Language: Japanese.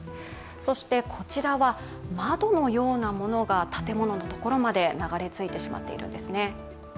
そして、こちらは窓のようなものが建物のところまで流れ着いてしまっているんです。